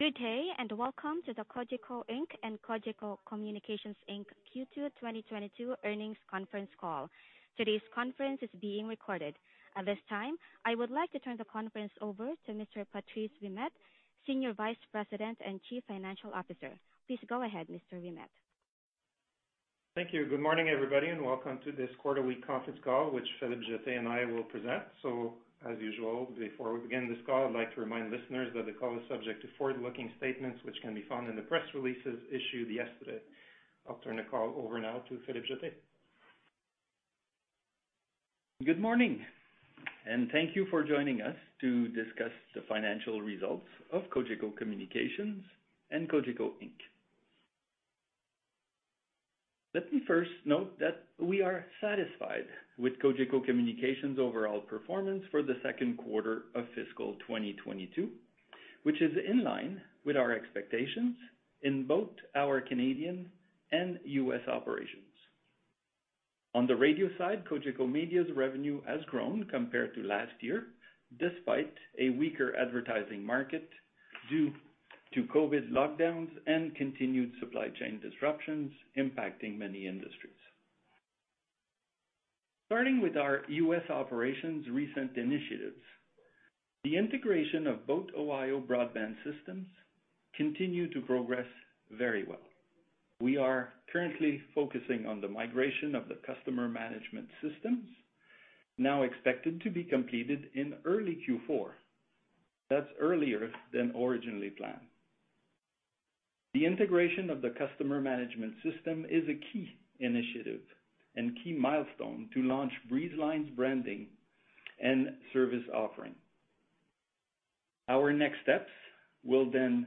Good day, and welcome to the Cogeco Inc. and Cogeco Communications Inc. Q2 2022 Earnings Conference Call. Today's conference is being recorded. At this time, I would like to turn the conference over to Mr. Patrice Ouimet, Senior Vice President and Chief Financial Officer. Please go ahead, Mr. Ouimet. Thank you. Good morning, everybody, and welcome to this quarterly conference call, which Philippe Jetté and I will present. As usual, before we begin this call, I'd like to remind listeners that the call is subject to forward-looking statements, which can be found in the press releases issued yesterday. I'll turn the call over now to Philippe Jetté. Good morning, and thank you for joining us to discuss the financial results of Cogeco Communications and Cogeco Inc. Let me first note that we are satisfied with Cogeco Communications' overall performance for the second quarter of fiscal 2022, which is in line with our expectations in both our Canadian and U.S. operations. On the radio side, Cogeco Media's revenue has grown compared to last year, despite a weaker advertising market due to COVID lockdowns and continued supply chain disruptions impacting many industries. Starting with our U.S. operations recent initiatives, the integration of both Ohio Broadband systems continue to progress very well. We are currently focusing on the migration of the customer management systems, now expected to be completed in early Q4. That's earlier than originally planned. The integration of the Customer Management System is a key initiative and key milestone to launch Breezeline's branding and service offering. Our next steps will then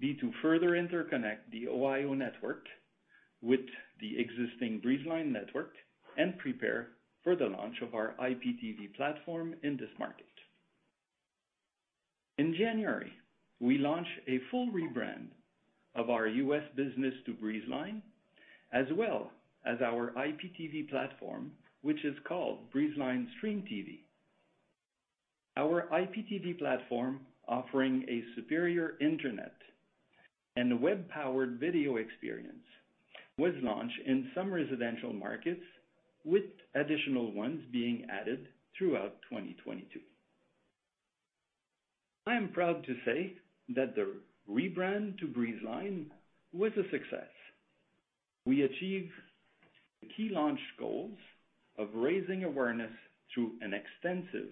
be to further interconnect the Ohio network with the existing Breezeline network and prepare for the launch of our IPTV platform in this market. In January, we launched a full rebrand of our U.S. business to Breezeline, as well as our IPTV platform, which is called Breezeline Stream TV. Our IPTV platform, offering a superior internet and web-powered video experience, was launched in some residential markets, with additional ones being added throughout 2022. I am proud to say that the rebrand to Breezeline was a success. We achieved key launch goals of raising awareness through an extensive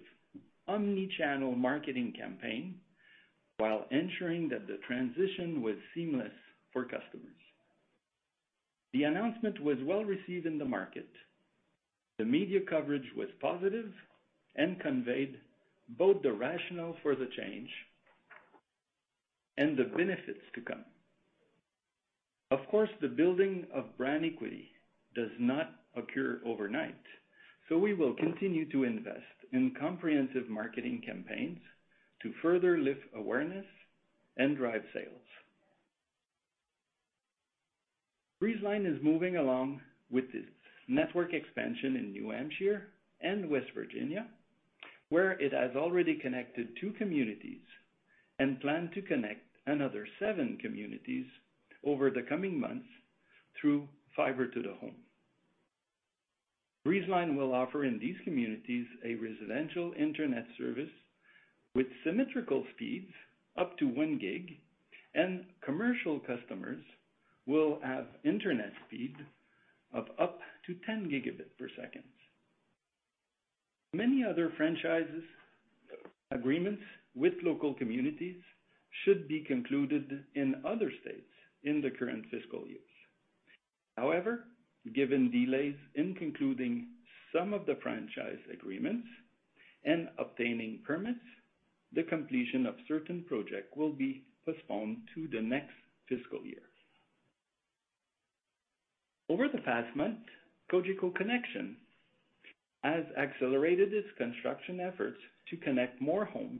omni-channel marketing campaign while ensuring that the transition was seamless for customers. The announcement was well-received in the market. The media coverage was positive and conveyed both the rationale for the change and the benefits to come. Of course, the building of brand equity does not occur overnight, so we will continue to invest in comprehensive marketing campaigns to further lift awareness and drive sales. Breezeline is moving along with its network expansion in New Hampshire and West Virginia, where it has already connected two communities and plan to connect another seven communities over the coming months through fiber to the home. Breezeline will offer in these communities a residential internet service with symmetrical speeds up to 1 G, and commercial customers will have internet speed of up to 10 Gbps per second. Many other franchise agreements with local communities should be concluded in other states in the current fiscal years. However, given delays in concluding some of the franchise agreements and obtaining permits, the completion of certain projects will be postponed to the next fiscal year. Over the past month, Cogeco Connexion has accelerated its construction efforts to connect more homes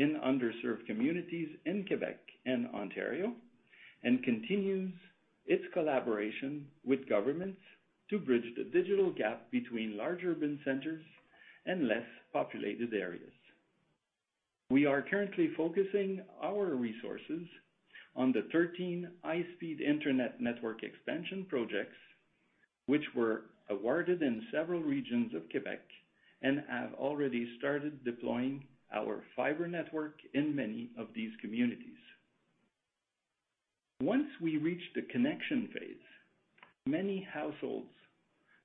in underserved communities in Quebec and Ontario and continues its collaboration with governments to bridge the digital gap between large urban centers and less populated areas. We are currently focusing our resources on the 13 high-speed internet network expansion projects which were awarded in several regions of Quebec and have already started deploying our fiber network in many of these communities. Once we reach the connection phase, many households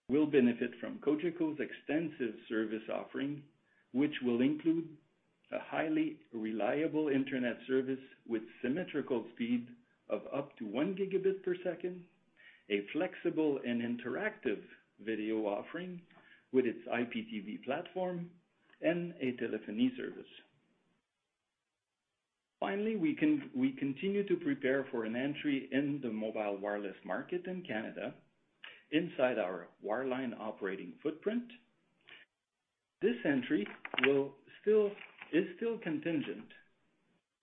will benefit from Cogeco's extensive service offering, which will include a highly reliable internet service with symmetrical speed of up to 1 Gbps, a flexible and interactive video offering with its IPTV platform, and a telephony service. Finally, we continue to prepare for an entry in the mobile wireless market in Canada inside our wireline operating footprint. This entry is still contingent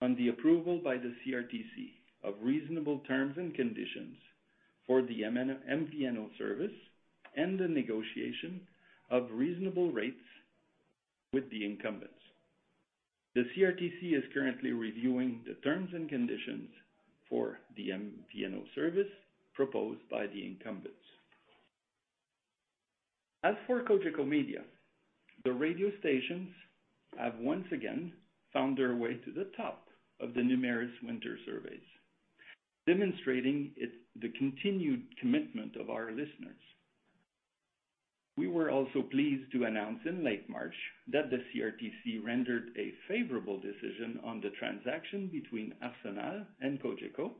on the approval by the CRTC of reasonable terms and conditions for the MVNO service and the negotiation of reasonable rates with the incumbents. The CRTC is currently reviewing the terms and conditions for the MVNO service proposed by the incumbents. As for Cogeco Media, the radio stations have once again found their way to the top of the Numeris winter surveys, demonstrating the continued commitment of our listeners. We were also pleased to announce in late March that the CRTC rendered a favorable decision on the transaction between Arsenal and Cogeco,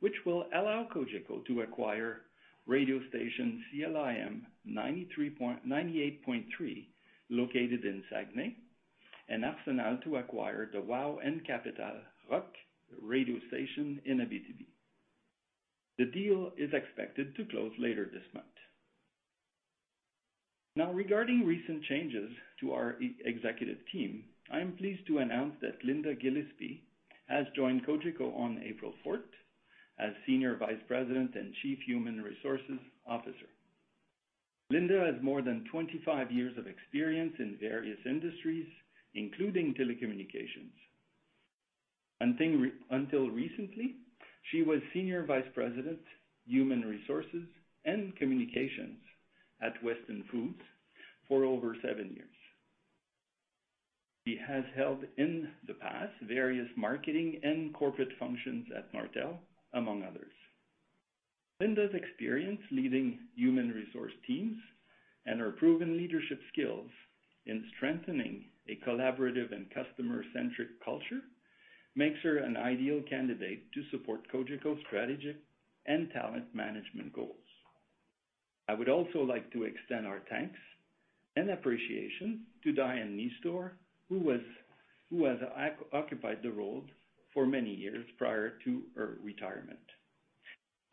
which will allow Cogeco to acquire radio station CILM-FM 98.3, located in Saguenay, and Arsenal to acquire the CHGO-FM Capitale Rock radio station in Abitibi. The deal is expected to close later this month. Now, regarding recent changes to our executive team, I am pleased to announce that Linda Gillespie has joined Cogeco on April fourth as Senior Vice President and Chief Human Resources Officer. Linda has more than 25 years of experience in various industries, including telecommunications. Until recently, she was Senior Vice President, Human Resources and Communications at Weston Foods for over seven years. She has held in the past various marketing and corporate functions at Nortel, among others. Linda's experience leading human resource teams and her proven leadership skills in strengthening a collaborative and customer-centric culture makes her an ideal candidate to support Cogeco's strategy and talent management goals. I would also like to extend our thanks and appreciation to Diane Nyisztor, who has occupied the role for many years prior to her retirement.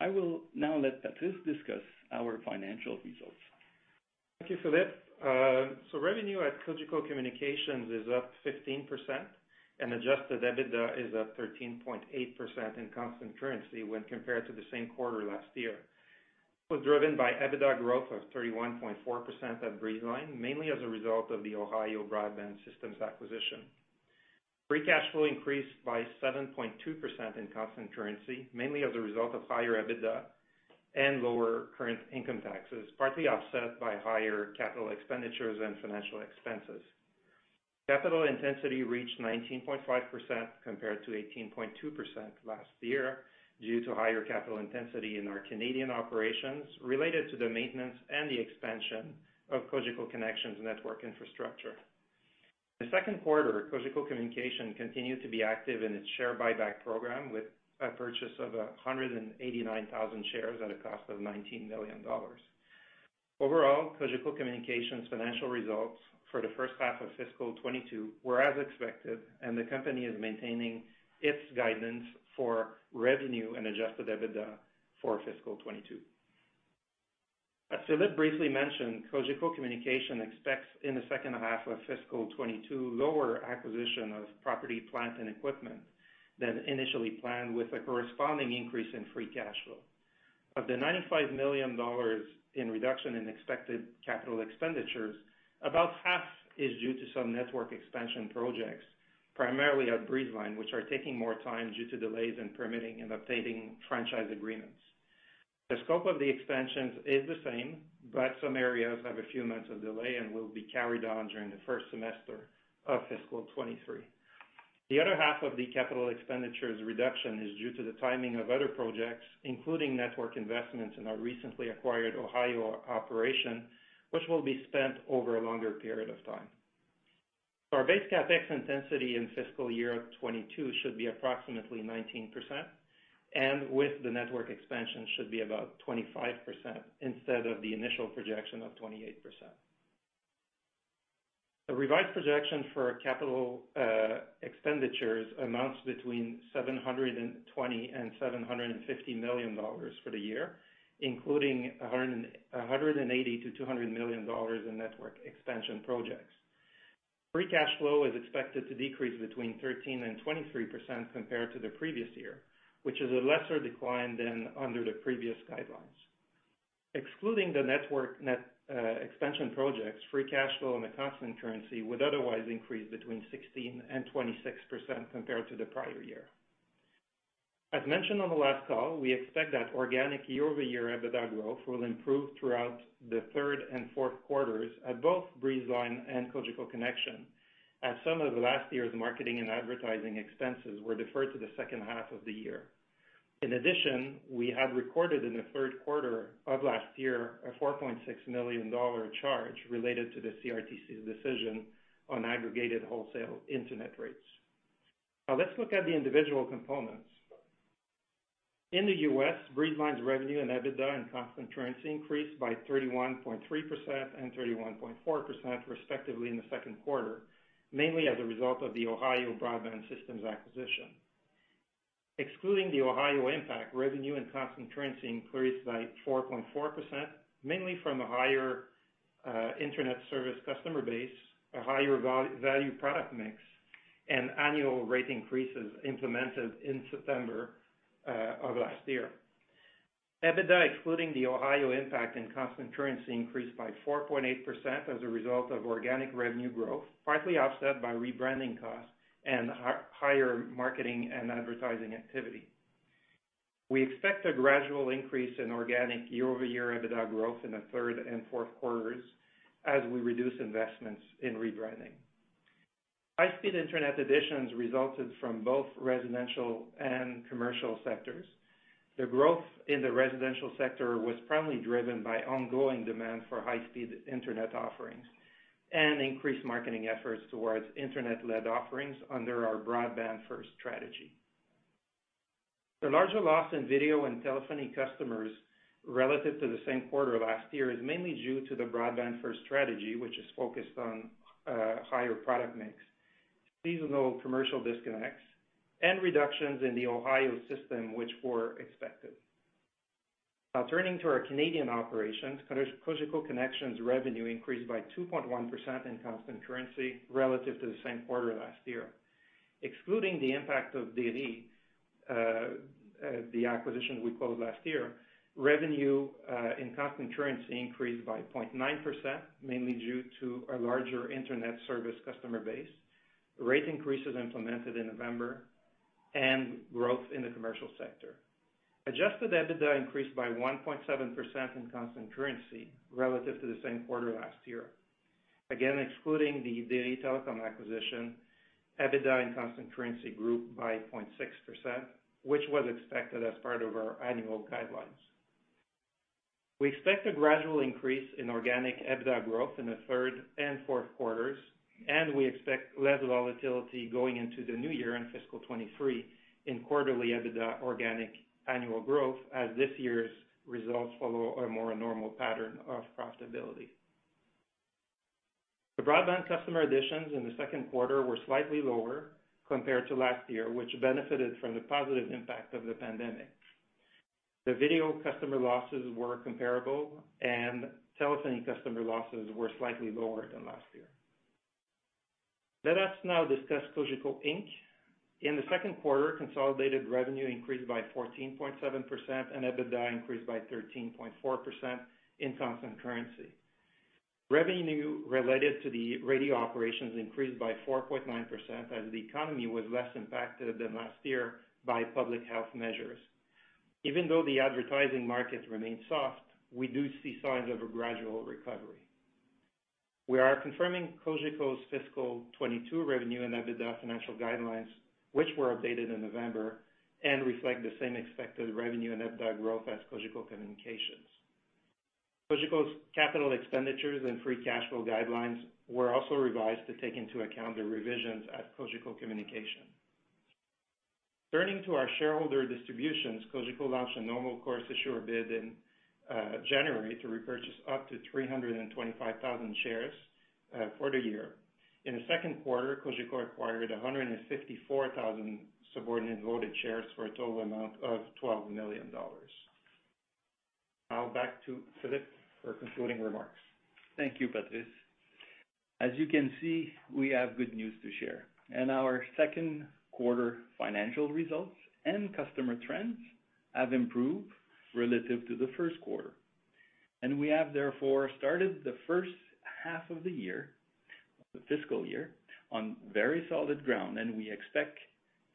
I will now let Patrice discuss our financial results. Thank you, Philippe. Revenue at Cogeco Communications is up 15%, and adjusted EBITDA is up 13.8% in constant currency when compared to the same quarter last year. It was driven by EBITDA growth of 31.4% at Breezeline, mainly as a result of the Ohio Broadband Systems acquisition. Free cash flow increased by 7.2% in constant currency, mainly as a result of higher EBITDA and lower current income taxes, partly offset by higher capital expenditures and financial expenses. Capital intensity reached 19.5% compared to 18.2% last year, due to higher capital intensity in our Canadian operations related to the maintenance and the expansion of Cogeco Connexion network infrastructure. The second quarter, Cogeco Communications continued to be active in its share buyback program with a purchase of 189,000 shares at a cost of 19 million dollars. Overall, Cogeco Communications' financial results for the first half of fiscal 2022 were as expected, and the company is maintaining its guidance for revenue and adjusted EBITDA for fiscal 2022. As Philippe briefly mentioned, Cogeco Communications expects, in the second half of fiscal 2022, lower acquisition of property, plant, and equipment than initially planned, with a corresponding increase in free cash flow. Of the 95 million dollars in reduction in expected capital expenditures, about half is due to some network expansion projects, primarily at Breezeline, which are taking more time due to delays in permitting and updating franchise agreements. The scope of the expansions is the same, but some areas have a few months of delay and will be carried on during the first semester of fiscal 2023. The other half of the capital expenditures reduction is due to the timing of other projects, including network investments in our recently acquired Ohio operation, which will be spent over a longer period of time. Our base CapEx intensity in fiscal year 2022 should be approximately 19%, and with the network expansion should be about 25% instead of the initial projection of 28%. The revised projection for capital expenditures amounts between 720 million and 750 million dollars for the year, including 180 million-200 million dollars in network expansion projects. Free cash flow is expected to decrease between 13% and 23% compared to the previous year, which is a lesser decline than under the previous guidelines. Excluding the network net expansion projects, free cash flow in the constant currency would otherwise increase between 16% and 26% compared to the prior year. As mentioned on the last call, we expect that organic year-over-year EBITDA growth will improve throughout the third and fourth quarters at both Breezeline and Cogeco Connexion, as some of last year's marketing and advertising expenses were deferred to the second half of the year. In addition, we had recorded in the third quarter of last year a 4.6 million dollar charge related to the CRTC's decision on aggregated wholesale internet rates. Now let's look at the individual components. In the U.S., Breezeline's revenue and EBITDA in constant currency increased by 31.3% and 31.4% respectively in the second quarter, mainly as a result of the Ohio Broadband systems acquisition. Excluding the Ohio impact, revenue in constant currency increased by 4.4%, mainly from a higher internet service customer base, a higher value product mix, and annual rate increases implemented in September of last year. EBITDA, excluding the Ohio impact, in constant currency, increased by 4.8% as a result of organic revenue growth, partly offset by rebranding costs and higher marketing and advertising activity. We expect a gradual increase in organic year-over-year EBITDA growth in the third and fourth quarters as we reduce investments in rebranding. High-speed internet additions resulted from both residential and commercial sectors. The growth in the residential sector was primarily driven by ongoing demand for high-speed internet offerings and increased marketing efforts towards internet-led offerings under our Broadband First strategy. The larger loss in video and telephony customers relative to the same quarter last year is mainly due to the Broadband First strategy, which is focused on higher product mix, seasonal commercial disconnects, and reductions in the Ohio system which were expected. Now turning to our Canadian operations, Cogeco Connexion revenue increased by 2.1% in constant currency relative to the same quarter last year. Excluding the impact of DERYtelecom, the acquisition we closed last year, revenue in constant currency increased by 0.9%, mainly due to a larger internet service customer base, rate increases implemented in November, and growth in the commercial sector. Adjusted EBITDA increased by 1.7% in constant currency relative to the same quarter last year. Again, excluding the DERYtelecom acquisition, EBITDA in constant currency grew by 0.6%, which was expected as part of our annual guidelines. We expect a gradual increase in organic EBITDA growth in the third and fourth quarters, and we expect less volatility going into the new year in fiscal 2023 in quarterly EBITDA organic annual growth as this year's results follow a more normal pattern of profitability. The broadband customer additions in the second quarter were slightly lower compared to last year, which benefited from the positive impact of the pandemic. The video customer losses were comparable and telephony customer losses were slightly lower than last year. Let us now discuss Cogeco Inc. In the second quarter, consolidated revenue increased by 14.7% and EBITDA increased by 13.4% in constant currency. Revenue related to the radio operations increased by 4.9% as the economy was less impacted than last year by public health measures. Even though the advertising market remains soft, we do see signs of a gradual recovery. We are confirming Cogeco's fiscal 2022 revenue and EBITDA financial guidelines, which were updated in November and reflect the same expected revenue and EBITDA growth as Cogeco Communications. Cogeco's capital expenditures and free cash flow guidelines were also revised to take into account the revisions at Cogeco Communications. Turning to our shareholder distributions, Cogeco launched a normal course issuer bid in January to repurchase up to 325,000 shares for the year. In the second quarter, Cogeco acquired 154,000 subordinate voted shares for a total amount of 12 million dollars. Now back to Philippe for concluding remarks. Thank you, Patrice. As you can see, we have good news to share, and our second quarter financial results and customer trends have improved relative to the first quarter. We have therefore started the first half of the year, the fiscal year on very solid ground, and we expect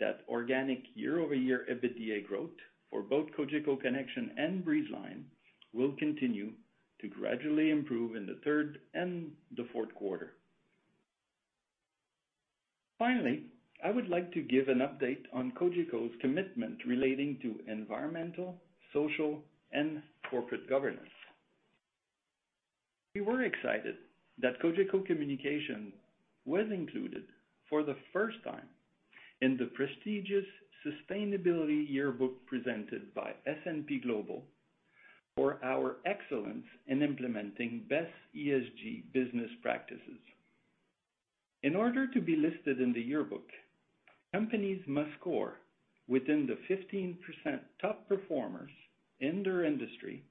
that organic year-over-year EBITDA growth for both Cogeco Connexion and Breezeline will continue to gradually improve in the third and the fourth quarter. Finally, I would like to give an update on Cogeco's commitment relating to environmental, social, and governance. We were excited that Cogeco Communications was included for the first time in the prestigious sustainability yearbook presented by S&P Global for our excellence in implementing best ESG business practices. In order to be listed in the yearbook, companies must score within the 15% top performers in their industry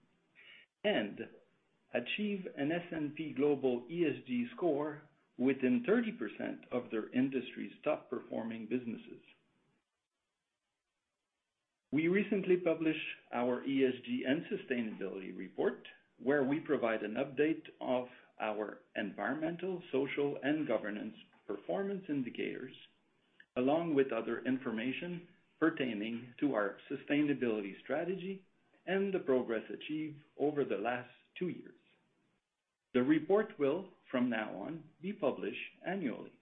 and achieve an S&P Global ESG score within 30% of their industry's top-performing businesses. We recently published our ESG and sustainability report, where we provide an update of our environmental, social, and governance performance indicators, along with other information pertaining to our sustainability strategy and the progress achieved over the last two years. The report will, from now on, be published annually.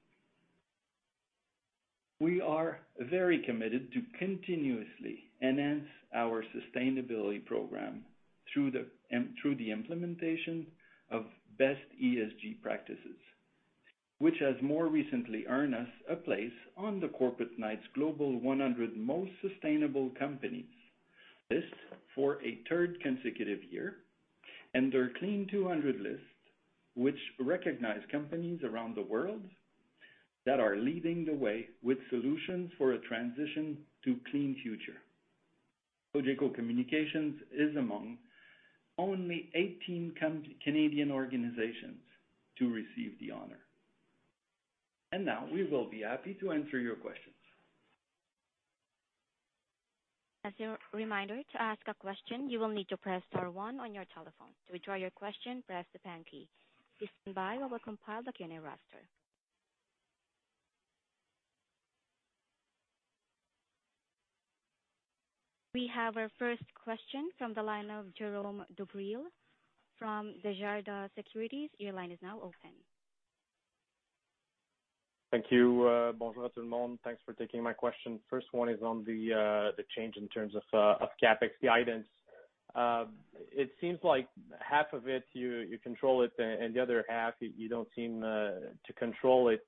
We are very committed to continuously enhance our sustainability program through the implementation of best ESG practices, which has more recently earned us a place on the Corporate Knights Global 100 Most Sustainable Companies list for a third consecutive year and their Clean 200 list, which recognize companies around the world that are leading the way with solutions for a transition to clean future. Cogeco Communications is among only 18 Canadian organizations to receive the honor. Now we will be happy to answer your questions. As a reminder, to ask a question, you will need to press star one on your telephone. To withdraw your question, press the pound key. Please stand by while we compile the Q&A roster. We have our first question from the line of Jérôme Dubreuil from Desjardins Securities. Your line is now open. Thank you. I mean, yeah, thanks for taking my question. First one is on the change in terms of CapEx guidance. It seems like half of it you control it, and the other half you don't seem to control it.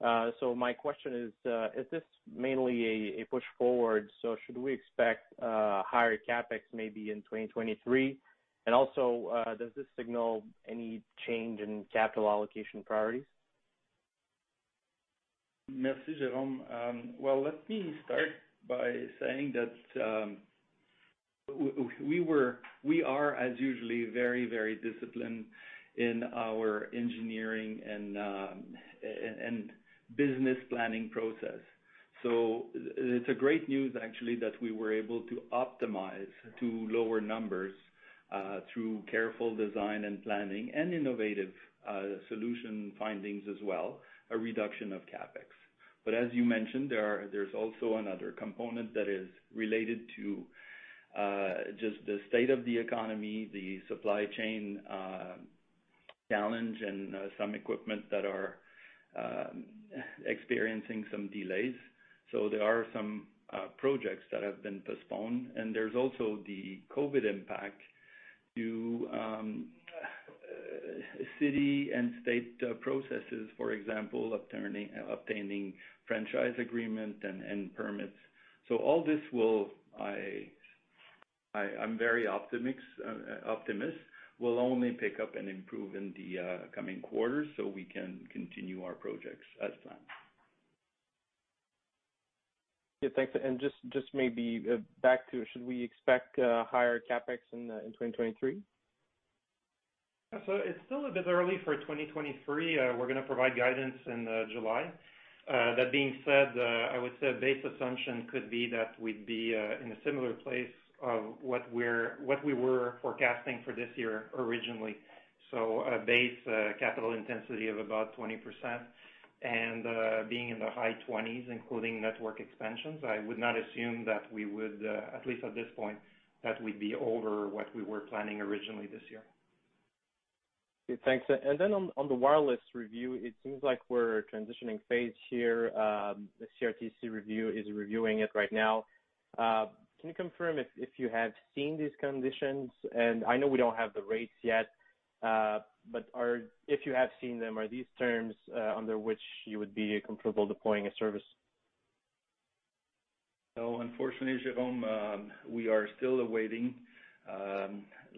My question is this mainly a push forward? Should we expect higher CapEx maybe in 2023? Does this signal any change in capital allocation priorities? Merci, Jérôme. Well, let me start by saying that we are, as usual, very disciplined in our engineering and business planning process. It's great news, actually, that we were able to optimize to lower numbers through careful design and planning and innovative solution findings as well, a reduction of CapEx. As you mentioned, there's also another component that is related to just the state of the economy, the supply chain challenge, and some equipment that are experiencing some delays. There are some projects that have been postponed. There's also the COVID impact to city and state processes. For example, obtaining franchise agreement and permits. All this will I'm very optimistic will only pick up and improve in the coming quarters, so we can continue our projects as planned. Yeah, thanks. Just maybe back to should we expect higher CapEx in 2023? It's still a bit early for 2023. We're gonna provide guidance in July. That being said, I would say base assumption could be that we'd be in a similar place of what we were forecasting for this year originally. A base capital intensity of about 20% and being in the high 20s, including network expansions. I would not assume that we would, at least at this point, that we'd be over what we were planning originally this year. Okay, thanks. On the wireless review, it seems like we're transitioning phase here. The CRTC review is reviewing it right now. Can you confirm if you have seen these conditions? I know we don't have the rates yet, but if you have seen them, are these terms under which you would be comfortable deploying a service? Unfortunately, Jérôme, we are still awaiting,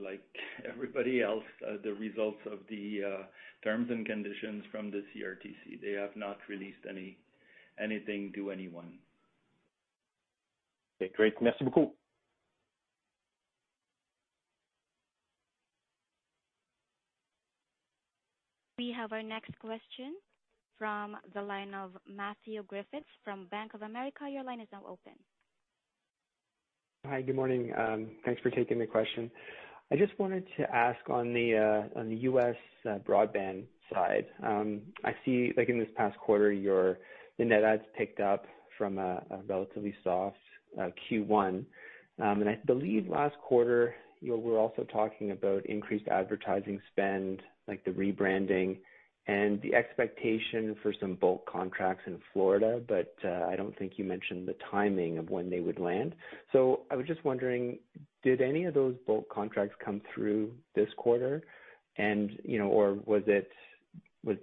like everybody else, the results of the terms and conditions from the CRTC. They have not released anything to anyone. Okay, great. Merci beaucoup. We have our next question from the line of Matthew Griffiths from Bank of America. Your line is now open. Hi. Good morning. Thanks for taking the question. I just wanted to ask on the U.S. broadband side. I see, like in this past quarter, your net adds picked up from a relatively soft Q1. I believe last quarter, you were also talking about increased advertising spend, like the rebranding and the expectation for some bulk contracts in Florida, but I don't think you mentioned the timing of when they would land. I was just wondering, did any of those bulk contracts come through this quarter? Or was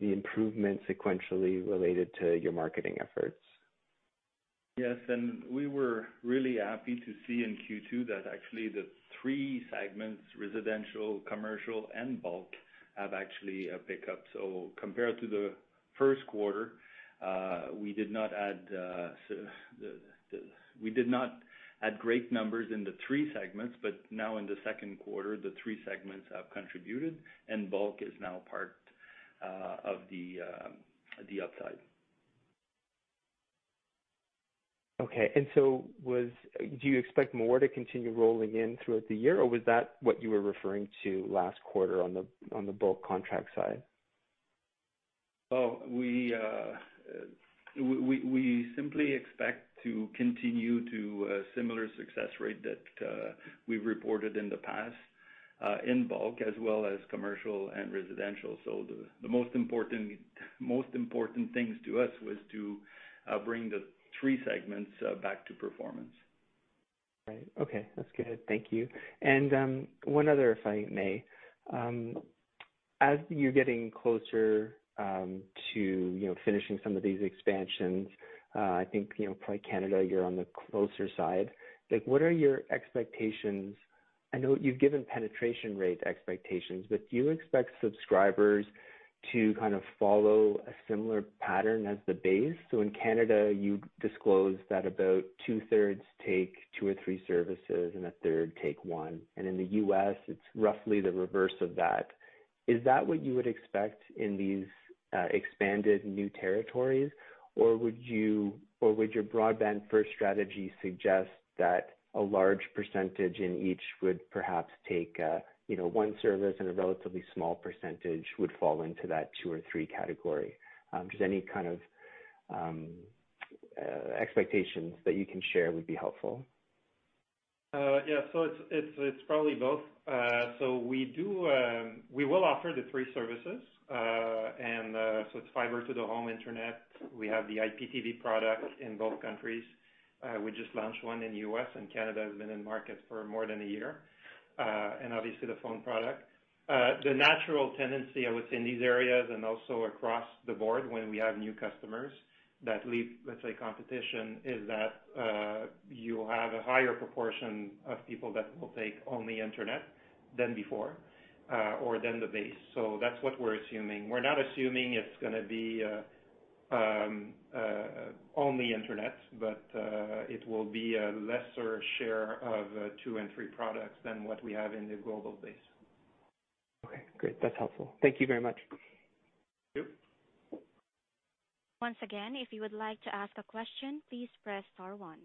the improvement sequentially related to your marketing efforts? Yes. We were really happy to see in Q2 that actually the three segments, residential, commercial, and bulk, have actually a pickup. Compared to the first quarter, we did not add great numbers in the three segments. Now in the second quarter, the three segments have contributed and bulk is now part of the upside. Okay. Do you expect more to continue rolling in throughout the year, or was that what you were referring to last quarter on the bulk contract side? We simply expect to continue to a similar success rate that we've reported in the past in bulk as well as commercial and residential. The most important things to us was to bring the three segments back to performance. Right. Okay. That's good. Thank you. One other, if I may. As you're getting closer to, you know, finishing some of these expansions, I think, you know, probably Canada, you're on the closer side. Like, what are your expectations? I know you've given penetration rate expectations, but do you expect subscribers to kind of follow a similar pattern as the base? In Canada, you disclosed that about two-thirds take two or three services and a third take one. In the U.S., it's roughly the reverse of that. Is that what you would expect in these expanded new territories? Or would your Broadband First strategy suggest that a large percentage in each would perhaps take, you know, one service and a relatively small percentage would fall into that two or three category? Just any kind of expectations that you can share would be helpful. Yeah. It's probably both. We will offer the three services, and it's fiber to the home internet. We have the IPTV product in both countries. We just launched one in the U.S., and Canada has been in market for more than a year. Obviously the phone product. The natural tendency, I would say, in these areas and also across the board when we have new customers that leave, let's say, competition, is that you have a higher proportion of people that will take only internet than before or than the base. That's what we're assuming. We're not assuming it's gonna be only internet, but it will be a lesser share of two and three products than what we have in the global base. Okay, great. That's helpful. Thank you very much. Yep. Once again, if you would like to ask a question, please press star one.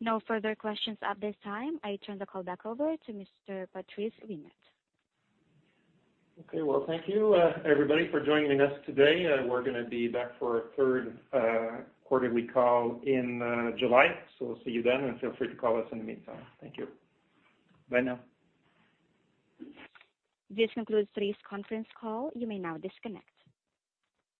No further questions at this time. I turn the call back over to Mr. Patrice Ouimet. Okay. Well, thank you, everybody, for joining us today. We're gonna be back for a third quarterly call in July. We'll see you then, and feel free to call us in the meantime. Thank you. Bye now. This concludes today's conference call. You may now disconnect.